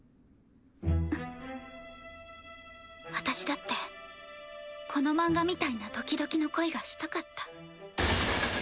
んっ私だってこの漫画みたいなドキドキの恋がしたかった。